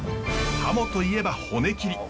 ハモといえば骨切り。